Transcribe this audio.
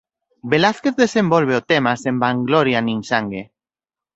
Velázquez desenvolve o tema sen vangloria nin sangue.